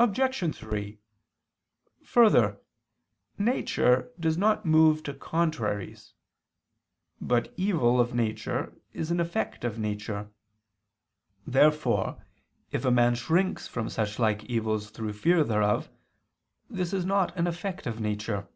Obj. 3: Further, nature does not move to contraries. But evil of nature is an effect of nature. Therefore if a man shrinks from such like evils through fear thereof, this is not an effect of nature.